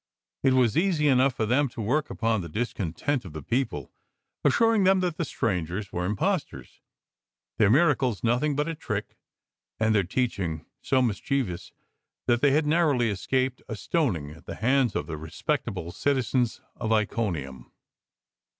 It was easy enough for them to work upon the discontent of the people, assuring them that the strangers were impostors, their miracles nothing but a trick, and their teaching so mischievous that the} ' had narrowly escaped a stoning at the hands of the respectable citizens of Iconium.